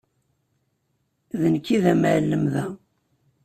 D nekk i d amɛellem da.